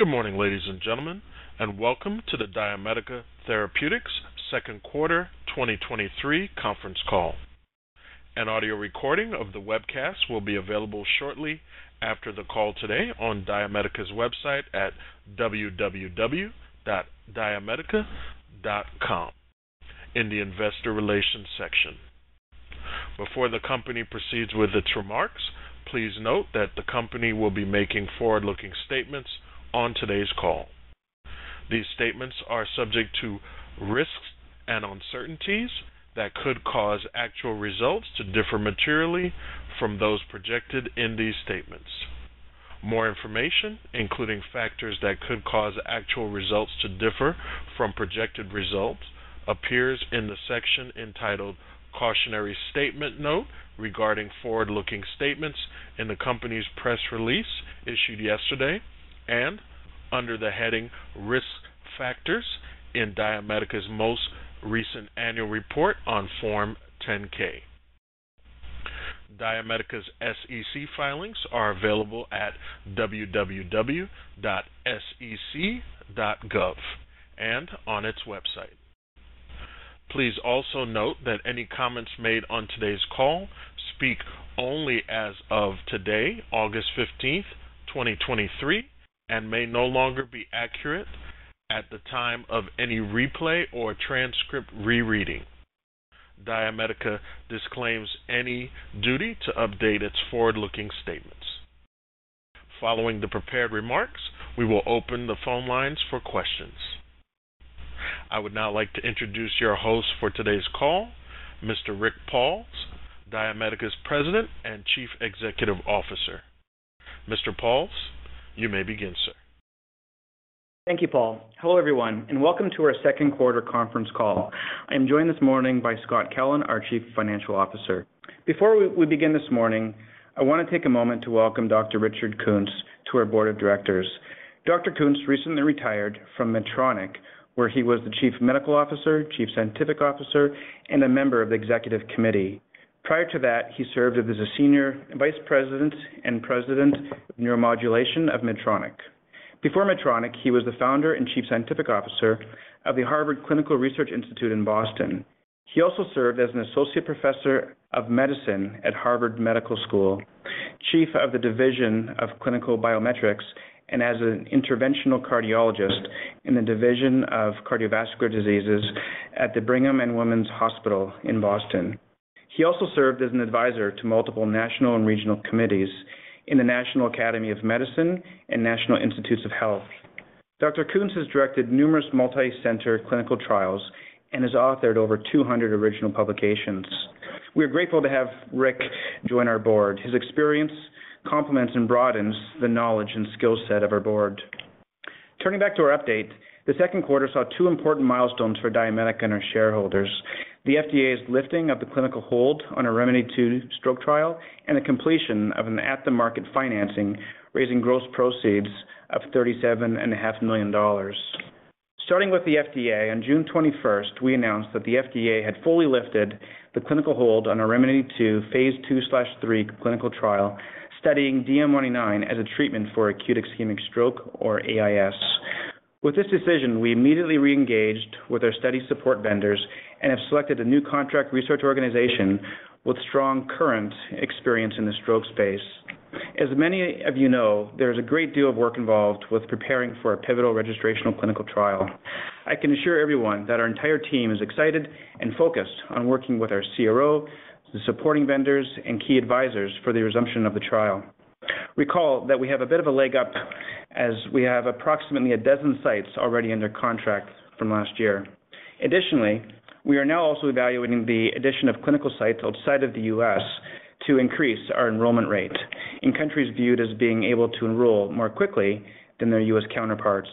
Good morning, ladies and gentlemen, welcome to the DiaMedica Therapeutics second quarter 2023 conference call. An audio recording of the webcast will be available shortly after the call today on DiaMedica's website at www.diamedica.com in the Investor Relations section. Before the company proceeds with its remarks, please note that the company will be making forward-looking statements on today's call. These statements are subject to risks and uncertainties that could cause actual results to differ materially from those projected in these statements. More information, including factors that could cause actual results to differ from projected results, appears in the section entitled "Cautionary Statement Note regarding forward-looking statements" in the company's press release issued yesterday and under the heading "Risk Factors" in DiaMedica's most recent annual report on Form 10-K. DiaMedica's SEC filings are available at www.sec.gov and on its website. Please also note that any comments made on today's call speak only as of today, August 15th, 2023, and may no longer be accurate at the time of any replay or transcript rereading. DiaMedica disclaims any duty to update its forward-looking statements. Following the prepared remarks, we will open the phone lines for questions. I would now like to introduce your host for today's call, Mr. Rick Pauls, DiaMedica's President and Chief Executive Officer. Mr. Pauls, you may begin, sir. Thank you, Paul. Hello, everyone, and welcome to our second quarter conference call. I am joined this morning by Scott Kellen, our Chief Financial Officer. Before we begin this morning, I want to take a moment to welcome Dr. Richard Kuntz to our board of directors. Dr. Kuntz recently retired from Medtronic, where he was the Chief Medical Officer, Chief Scientific Officer, and a member of the Executive Committee. Prior to that, he served as a Senior Vice President and President of Neuromodulation of Medtronic. Before Medtronic, he was the Founder and Chief Scientific Officer of the Harvard Clinical Research Institute in Boston. He also served as an Associate Professor of Medicine at Harvard Medical School, Chief of the Division of Clinical Biometrics, and as an interventional cardiologist in the Division of Cardiovascular Diseases at the Brigham and Women's Hospital in Boston. He also served as an advisor to multiple national and regional committees in the National Academy of Medicine and National Institutes of Health. Dr. Kuntz has directed numerous multi-center clinical trials and has authored over 200 original publications. We are grateful to have Rick join our board. His experience complements and broadens the knowledge and skill set of our board. Turning back to our update, the second quarter saw two important milestones for DiaMedica and our shareholders: the FDA's lifting of the clinical hold on our ReMEDy2 stroke trial and the completion of an at-the-market financing, raising gross proceeds of $37,500,000. Starting with the FDA, on June 21st, we announced that the FDA had fully lifted the clinical hold on our ReMEDy2, Phase 2/3 clinical trial, studying DM199 as a treatment for acute ischemic stroke or AIS. With this decision, we immediately reengaged with our study support vendors and have selected a new contract research organization with strong current experience in the stroke space. As many of you know, there's a great deal of work involved with preparing for a pivotal registrational clinical trial. I can assure everyone that our entire team is excited and focused on working with our CRO, the supporting vendors, and key advisors for the resumption of the trial. Recall that we have a bit of a leg up as we have approximately a dozen sites already under contract from last year. We are now also evaluating the addition of clinical sites outside of the U.S. to increase our enrollment rate in countries viewed as being able to enroll more quickly than their U.S. counterparts.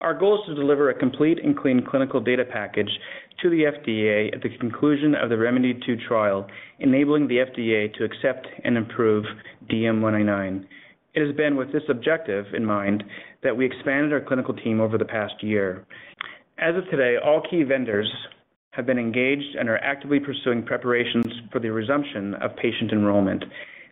Our goal is to deliver a complete and clean clinical data package to the FDA at the conclusion of the ReMEDy2 trial, enabling the FDA to accept and improve DM199. It has been with this objective in mind that we expanded our clinical team over the past year. As of today, all key vendors have been engaged and are actively pursuing preparations for the resumption of patient enrollment.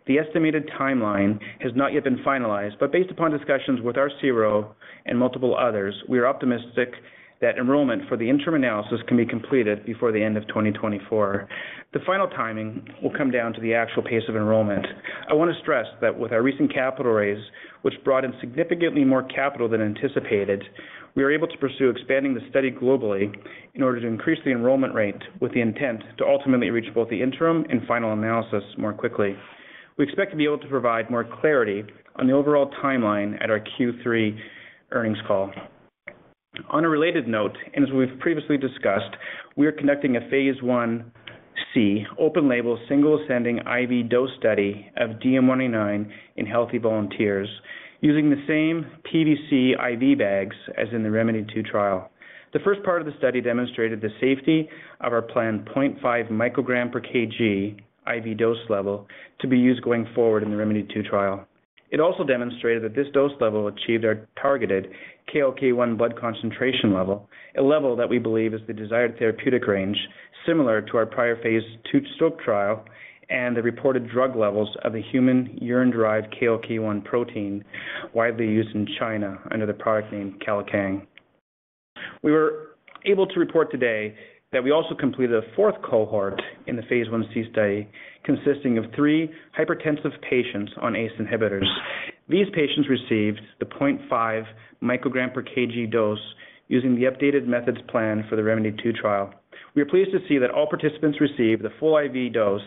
The estimated timeline has not yet been finalized, but based upon discussions with our CRO and multiple others, we are optimistic that enrollment for the interim analysis can be completed before the end of 2024. The final timing will come down to the actual pace of enrollment. I want to stress that with our recent capital raise, which brought in significantly more capital than anticipated, we are able to pursue expanding the study globally in order to increase the enrollment rate with the intent to ultimately reach both the interim and final analysis more quickly. We expect to be able to provide more clarity on the overall timeline at our Q3 earnings call. On a related note, and as we've previously discussed, we are conducting a Phase 1C open label, single ascending IV dose study of DM199 in healthy volunteers using the same PVC IV bags as in the ReMEDy2 trial. The first part of the study demonstrated the safety of our planned 0.5 microgram per kg IV dose level to be used going forward in the ReMEDy2 trial. It also demonstrated that this dose level achieved our targeted KLK1 blood concentration level, a level that we believe is the desired therapeutic range, similar to our prior phase I stroke trial and the reported drug levels of the human urine-derived KLK1 protein, widely used in China under the product name Kailikang. We were able to report today that we also completed a fourth cohort in the phase IC study, consisting of three hypertensive patients on ACE inhibitors. These patients received the 0.5 microgram per kg dose using the updated methods plan for the ReMEDy2 trial. We are pleased to see that all participants received the full IV dose,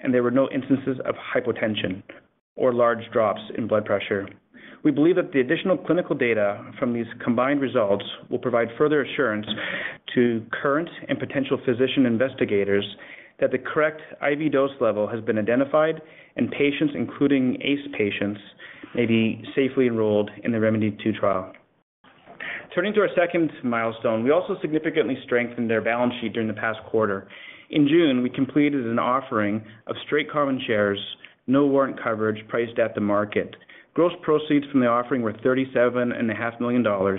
and there were no instances of hypotension or large drops in blood pressure. We believe that the additional clinical data from these combined results will provide further assurance to current and potential physician investigators that the correct IV dose level has been identified, patients, including ACE patients, may be safely enrolled in the ReMEDy2 trial. Turning to our second milestone, we also significantly strengthened our balance sheet during the past quarter. In June, we completed an offering of straight common shares, no warrant coverage, priced at the market. Gross proceeds from the offering were $37,500,000,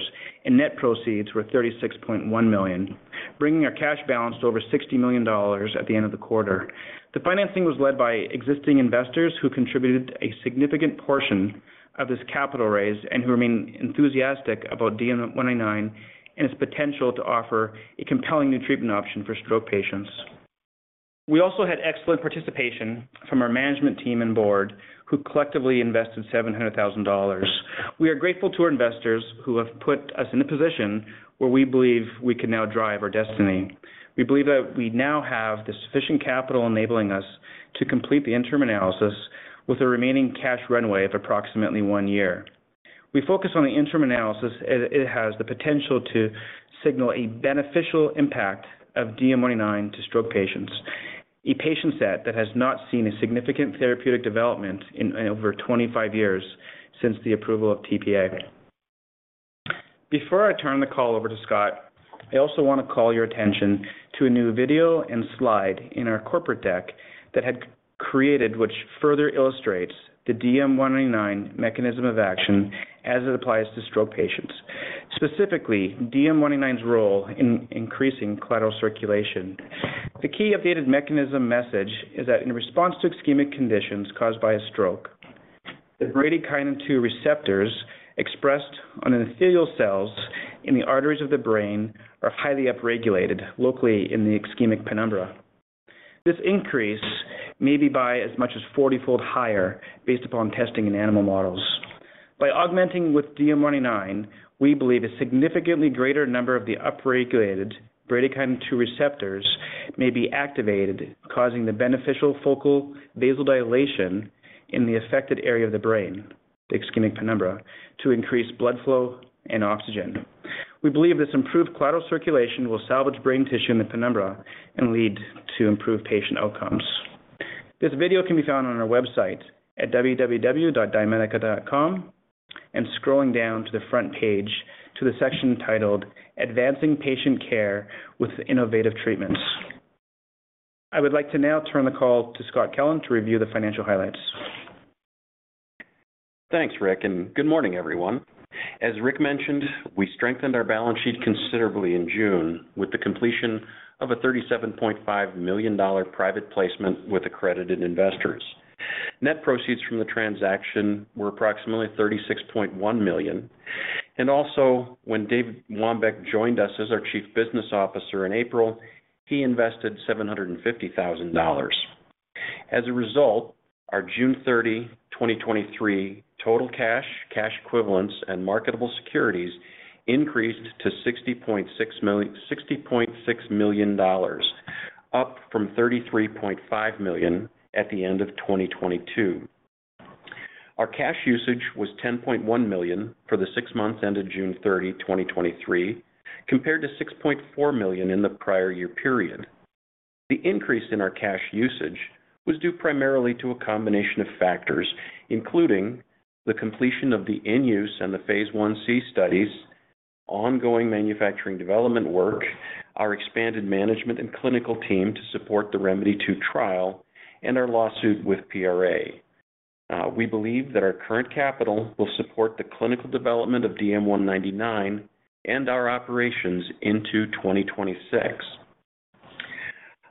net proceeds were $36.100,000, bringing our cash balance to over $60,000,000 at the end of the quarter. The financing was led by existing investors, who contributed a significant portion of this capital raise and who remain enthusiastic about DM199 and its potential to offer a compelling new treatment option for stroke patients. We also had excellent participation from our management team and board, who collectively invested $700,000. We are grateful to our investors who have put us in a position where we believe we can now drive our destiny. We believe that we now have the sufficient capital enabling us to complete the interim analysis with a remaining cash runway of approximately one year. We focus on the interim analysis as it has the potential to signal a beneficial impact of DM199 to stroke patients, a patient set that has not seen a significant therapeutic development in over 25 years since the approval of tPA. Before I turn the call over to Scott, I also want to call your attention to a new video and slide in our corporate deck that had created, which further illustrates the DM199 mechanism of action as it applies to stroke patients. Specifically, DM199's role in increasing collateral circulation. The key updated mechanism message is that in response to ischemic conditions caused by a stroke, the bradykinin B2 receptors expressed on endothelial cells in the arteries of the brain are highly upregulated locally in the ischemic penumbra. This increase may be by as much as 40-fold higher based upon testing in animal models. By augmenting with DM199, we believe a significantly greater number of the upregulated bradykinin B2 receptors may be activated, causing the beneficial focal vasodilation in the affected area of the brain, the ischemic penumbra, to increase blood flow and oxygen. We believe this improved collateral circulation will salvage brain tissue in the penumbra and lead to improved patient outcomes. This video can be found on our website at www.diamedica.com, and scrolling down to the front page to the section titled Advancing Patient Care with Innovative Treatments. I would like to now turn the call to Scott Kellen to review the financial highlights. Thanks, Rick. Good morning, everyone. As Rick mentioned, we strengthened our balance sheet considerably in June with the completion of a $37,500,000 private placement with accredited investors. Net proceeds from the transaction were approximately $36,100,000. Also, when David Wambeke joined us as our Chief Business Officer in April, he invested $750,000. As a result, our June 30, 2023, total cash, cash equivalents, and marketable securities increased to $60,600,000- $60,600,000, up from $33,500,000 at the end of 2022. Our cash usage was $10,100,000 for the six months ended June 30, 2023, compared to $6,400,000 in the prior year period. The increase in our cash usage was due primarily to a combination of factors, including the completion of the in-use study and the phase IC studies, ongoing manufacturing development work, our expanded management and clinical team to support the ReMEDy2 trial, and our lawsuit with PRA. We believe that our current capital will support the clinical development of DM199 and our operations into 2026.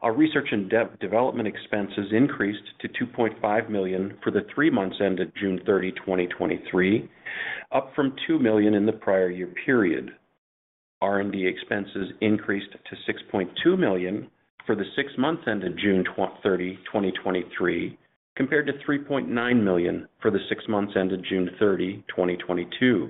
Our research and development expenses increased to $2,500,000 for the three months ended June 30, 2023, up from $2,000,000 in the prior year period. R&D expenses increased to $6,200,000 for the six months ended June 30, 2023, compared to $3,900,000 for the six months ended June 30, 2022.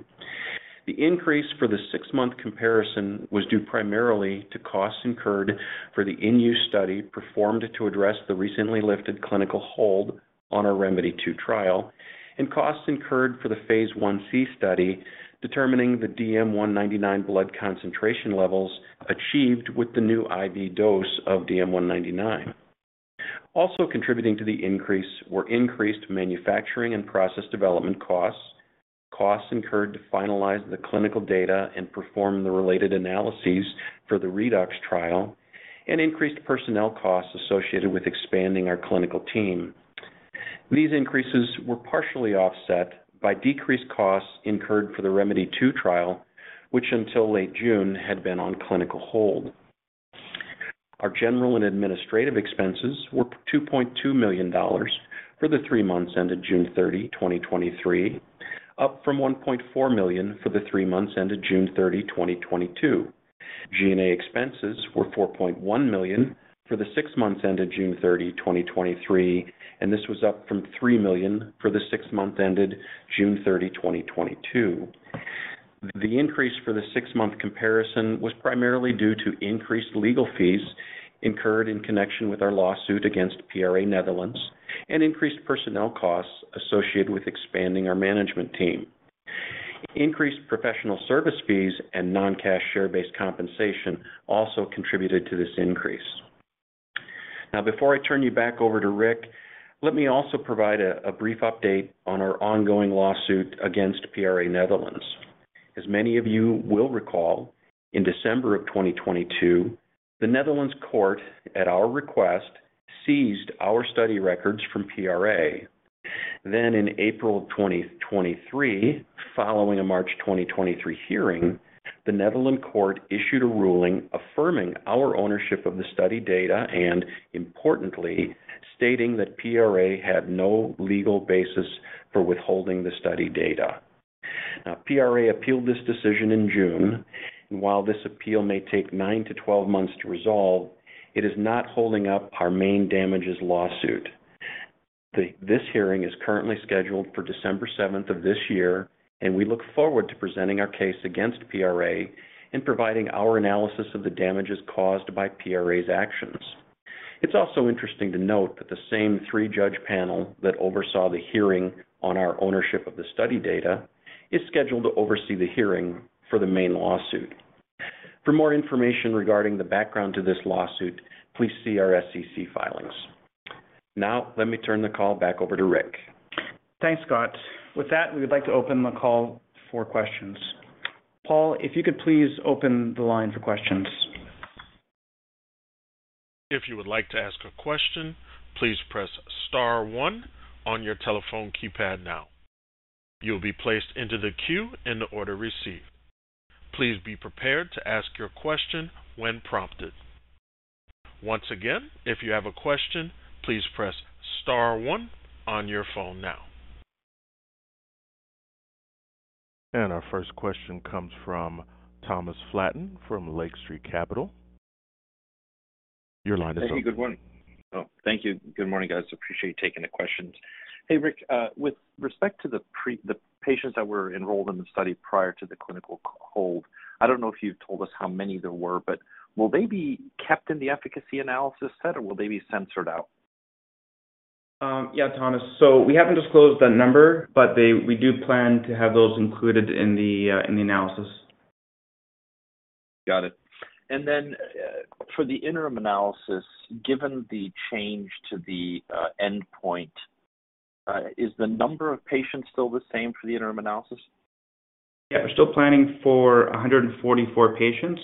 The increase for the 6-month comparison was due primarily to costs incurred for the in-use study, performed to address the recently lifted clinical hold on our ReMEDy2 trial, and costs incurred for the phase IC study, determining the DM199 blood concentration levels achieved with the new IV dose of DM199. Also contributing to the increase were increased manufacturing and process development costs, costs incurred to finalize the clinical data and perform the related analyses for the REDOX trial, and increased personnel costs associated with expanding our clinical team. These increases were partially offset by decreased costs incurred for the ReMEDy2 trial, which until late June, had been on clinical hold. Our general and administrative expenses were $2,200,000 for the 3 months ended June 30, 2023, up from $1.,400,000 for the 3 months ended June 30, 2022. G&A expenses were $4,100,000 for the 6 months ended June 30, 2023, this was up from $3,000,000 for the 6 months ended June 30, 2022. The increase for the 6-month comparison was primarily due to increased legal fees incurred in connection with our lawsuit against PRA Netherlands and increased personnel costs associated with expanding our management team. Increased professional service fees and non-cash share-based compensation also contributed to this increase. Before I turn you back over to Rick, let me also provide a brief update on our ongoing lawsuit against PRA Netherlands. As many of you will recall, in December of 2022, the Netherlands Court, at our request, seized our study records from PRA. In April 2023, following a March 2023 hearing, the Netherlands Court issued a ruling affirming our ownership of the study data and, importantly, stating that PRA had no legal basis for withholding the study data. PRA appealed this decision in June. While this appeal may take 9-12 months to resolve, it is not holding up our main damages lawsuit. This hearing is currently scheduled for December seventh of this year, and we look forward to presenting our case against PRA and providing our analysis of the damages caused by PRA's actions. It's also interesting to note that the same 3-judge panel that oversaw the hearing on our ownership of the study data is scheduled to oversee the hearing for the main lawsuit. For more information regarding the background to this lawsuit, please see our SEC filings. Now, let me turn the call back over to Rick. Thanks, Scott. With that, we would like to open the call for questions. Paul, if you could please open the line for questions. If you would like to ask a question, please press star one on your telephone keypad now. You'll be placed into the queue in the order received. Please be prepared to ask your question when prompted. Once again, if you have a question, please press star one on your phone now. Our first question comes from Thomas Flaten from Lake Street Capital Markets. Your line is open. Hey, good morning. Oh, thank you. Good morning, guys. Appreciate you taking the questions. Hey, Rick, with respect to the patients that were enrolled in the study prior to the clinical hold, I don't know if you've told us how many there were, but will they be kept in the efficacy analysis set, or will they be censored out? Yeah, Thomas. We haven't disclosed that number, but they, we do plan to have those included in the analysis. Got it. Then, for the interim analysis, given the change to the endpoint, is the number of patients still the same for the interim analysis? Yeah, we're still planning for 144 patients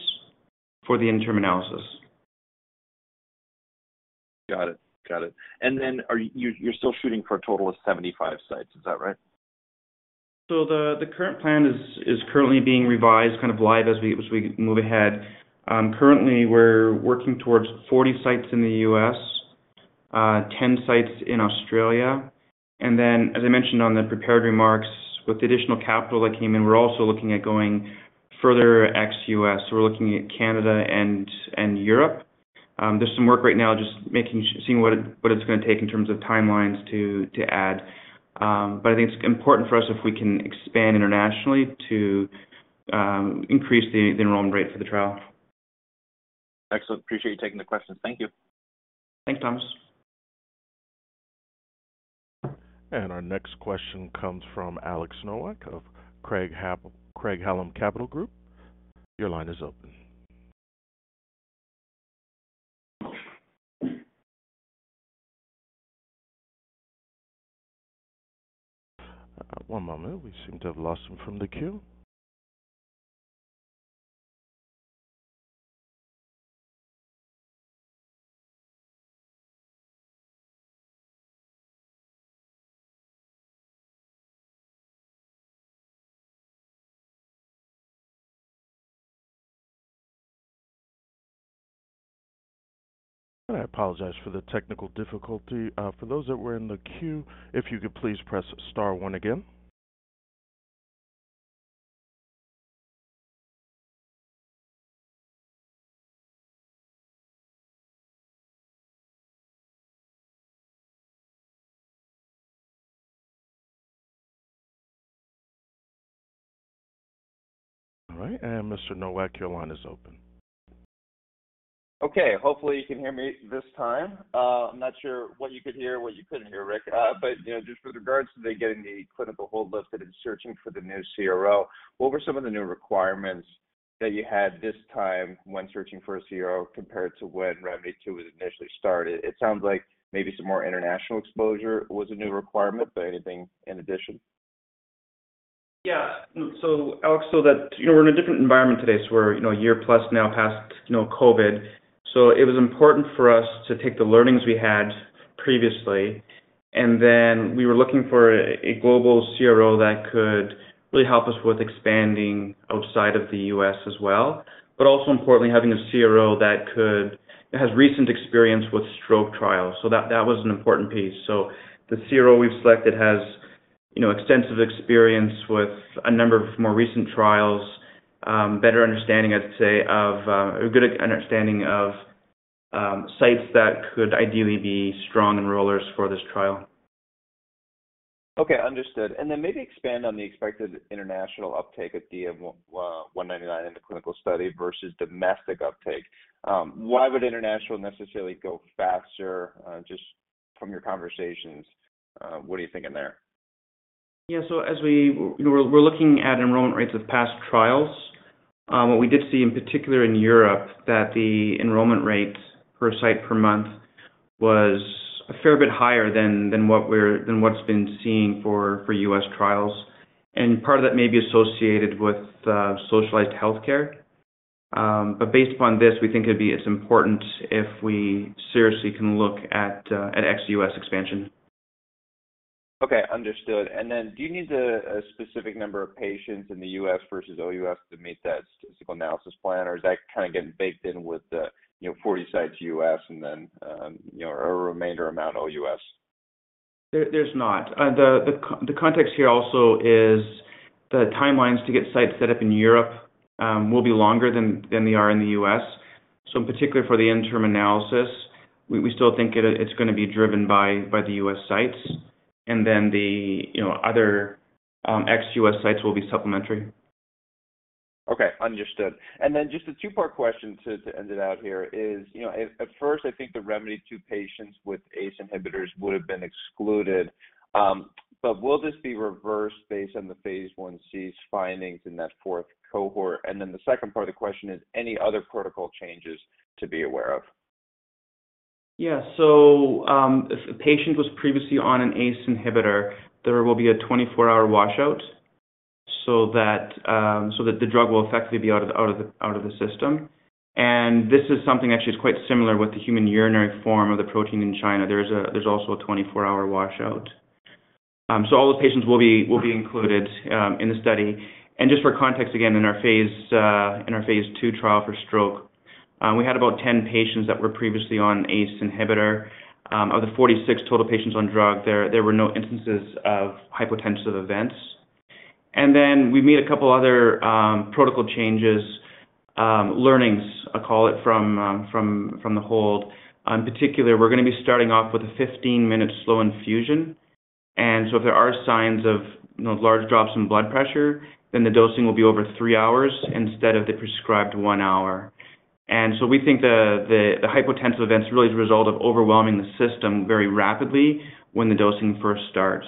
for the interim analysis. Got it. Got it. Are you, you're still shooting for a total of 75 sites, is that right? The current plan is currently being revised, kind of live as we move ahead. Currently, we're working towards 40 sites in the U.S., 10 sites in Australia, and then, as I mentioned on the prepared remarks, with the additional capital that came in, we're also looking at going further ex-U.S. We're looking at Canada and Europe. There's some work right now just making, seeing what it's going to take in terms of timelines to add. I think it's important for us if we can expand internationally to increase the enrollment rate for the trial. Excellent. Appreciate you taking the questions. Thank you. Thanks, Thomas. Our next question comes from Alex Nowak of Craig-Hallum Capital Group. Your line is open. One moment. We seem to have lost him from the queue. I apologize for the technical difficulty. For those that were in the queue, if you could please press star one again. All right, Mr. Nowak, your line is open. Okay, hopefully, you can hear me this time. I'm not sure what you could hear, what you couldn't hear, Rick. You know, just with regards to the getting the clinical hold listed and searching for the new CRO, what were some of the new requirements that you had this time when searching for a CRO compared to when ReMEDy2 was initially started? It sounds like maybe some more international exposure was a new requirement, but anything in addition? Alex, so that, you know, we're in a different environment today, so we're, you know, a year plus now past, you know, COVID. It was important for us to take the learnings we had previously, and then we were looking for a, a global CRO that could really help us with expanding outside of the U.S. as well, but also importantly, having a CRO that could that has recent experience with stroke trials. That, that was an important piece. The CRO we've selected has, you know, extensive experience with a number of more recent trials, better understanding, I'd say, of a good understanding of sites that could ideally be strong enrollers for this trial. Okay, understood. Then maybe expand on the expected international uptake of DM199 in the clinical study versus domestic uptake. Why would international necessarily go faster? Just from your conversations, what are you thinking there? Yeah, as we're looking at enrollment rates of past trials. What we did see, in particular in Europe, that the enrollment rates per site per month was a fair bit higher than what's been seen for U.S. trials. Part of that may be associated with, socialized healthcare. Based upon this, we think it'd be as important if we seriously can look at, at ex-U.S. expansion. Okay, understood. do you need a, a specific number of patients in the U.S. versus OUS to meet that statistical analysis plan, or is that kind of getting baked in with the, you know, 40 sites U.S. and then, you know, a remainder amount OUS? There, there's not. The, the, the context here also is the timelines to get sites set up in Europe, will be longer than, than they are in the U.S. In particular, for the interim analysis, we, we still think it, it's going to be driven by, by the U.S. sites, and then the, you know, other, ex-U.S. sites will be supplementary. Okay, understood. Just a two-part question to, to end it out here is, you know, at, at first, I think the ReMEDy2 patients with ACE inhibitors would have been excluded, but will this be reversed based on the phase IC's findings in that fourth cohort? The second part of the question is, any other protocol changes to be aware of? Yeah. If a patient was previously on an ACE inhibitor, there will be a 24-hour washout, so that the drug will effectively be out of the system. This is something actually is quite similar with the human urinary form of the protein in China. There's also a 24-hour washout. So all the patients will be included in the study. Just for context, again, in our phase II trial for stroke, we had about 10 patients that were previously on ACE inhibitor. Of the 46 total patients on drug, there were no instances of hypotensive events. Then we made a couple other protocol changes, learnings, I call it, from the hold. Particular, we're gonna be starting off with a 15-minute slow infusion, so if there are signs of, you know, large drops in blood pressure, then the dosing will be over 3 hours instead of the prescribed 1 hour. So we think the, the, the hypotensive events are really the result of overwhelming the system very rapidly when the dosing first starts.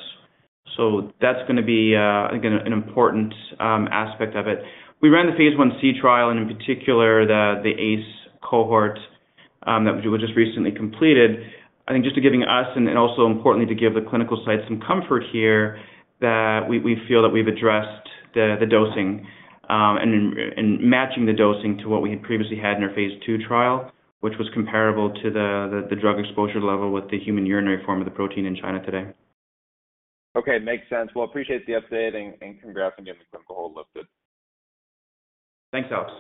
So that's gonna be, again, an important aspect of it. We ran the phase IC trial, and in particular, the, the ACE cohort, that we just recently completed. I think just to giving us, and also importantly, to give the clinical site some comfort here, that we, we feel that we've addressed the, the dosing, and, and matching the dosing to what we had previously had in our phase II trial, which was comparable to the, the drug exposure level with the human urinary form of the protein in China today. Okay, makes sense. Well, appreciate the update and congrats on getting the clinical hold lifted. Thanks, Alex.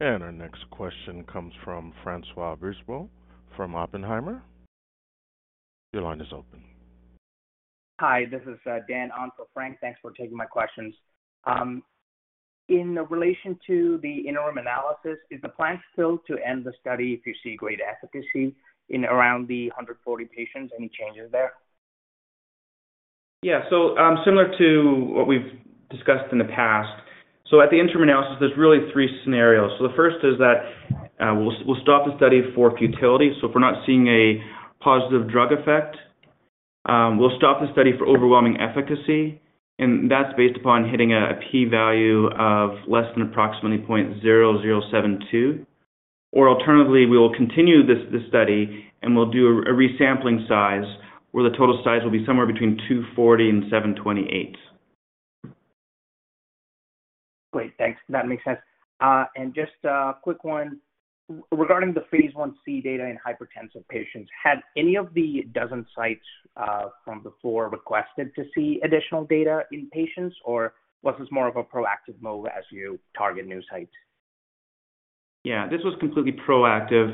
Our next question comes from Francois Brisebois from Oppenheimer & Co. Your line is open. Hi, this is Dan on for Frank. Thanks for taking my questions. In relation to the interim analysis, is the plan still to end the study if you see great efficacy in around the 140 patients? Any changes there? Yeah. Similar to what we've discussed in the past. At the interim analysis, there's really three scenarios. The first is that, we'll, we'll stop the study for futility. If we're not seeing a positive drug effect, we'll stop the study for overwhelming efficacy, and that's based upon hitting a p-value of less than approximately 0.0072. Alternatively, we will continue this, this study, and we'll do a resampling size, where the total size will be somewhere between 240 and 728. Great, thanks. That makes sense. Just a quick one. Regarding the phase IC data in hypertensive patients, had any of the dozen sites from before requested to see additional data in patients, or was this more of a proactive move as you target new sites? Yeah, this was completely proactive.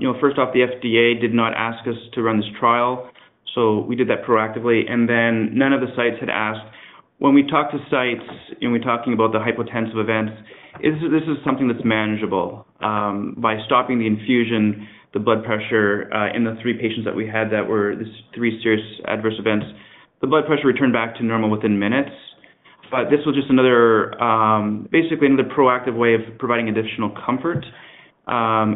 You know, first off, the FDA did not ask us to run this trial, so we did that proactively, and then none of the sites had asked. When we talked to sites, and we're talking about the hypotensive events, this, this is something that's manageable. By stopping the infusion, the blood pressure, in the three patients that we had that were the three serious adverse events, the blood pressure returned back to normal within minutes. This was just another, basically in the proactive way of providing additional comfort,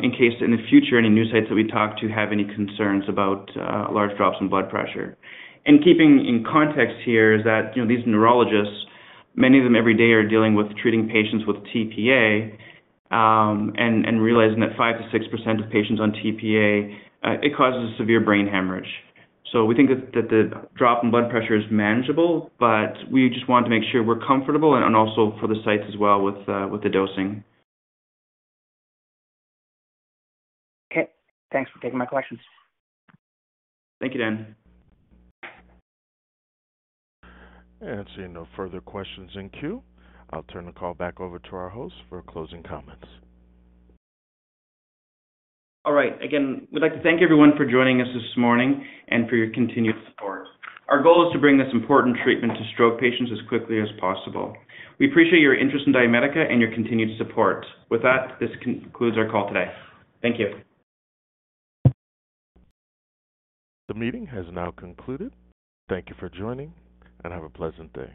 in case in the future, any new sites that we talk to have any concerns about large drops in blood pressure. Keeping in context here is that, you know, these neurologists, many of them every day are dealing with treating patients with tPA, and realizing that 5%-6% of patients on tPA, it causes a severe brain hemorrhage. We think that the drop in blood pressure is manageable, but we just want to make sure we're comfortable and also for the sites as well with the dosing. Okay. Thanks for taking my questions. Thank you, Dan. Seeing no further questions in queue, I'll turn the call back over to our host for closing comments. All right. Again, we'd like to thank everyone for joining us this morning and for your continued support. Our goal is to bring this important treatment to stroke patients as quickly as possible. We appreciate your interest in DiaMedica and your continued support. With that, this concludes our call today. Thank you. The meeting has now concluded. Thank you for joining. Have a pleasant day.